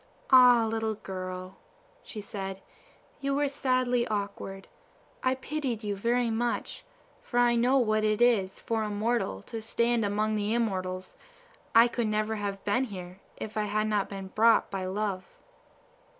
"Ah, little girl," she said, "you were sadly awkward. I pitied you very much, for I know what it is for a mortal to stand among the immortals; I never could have been here if I had not been brought by Love."